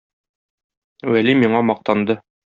Вәли миңа мактанды.